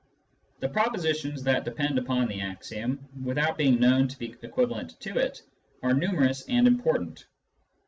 The propositions that depend upon the axiom, without being known to be equivalent to it, are numerous and important.